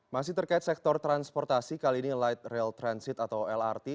masih terkait sektor transportasi kali ini light rail transit atau lrt